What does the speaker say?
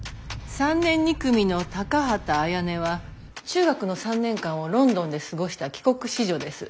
３年２組の高畑あやねは中学の３年間をロンドンで過ごした帰国子女です。